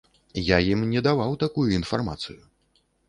Я ім не даваў такую інфармацыю.